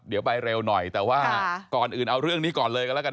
เดี๋ยวไปเร็วหน่อยแต่ว่าก่อนอื่นเอาเรื่องนี้ก่อนเลยกันแล้วกัน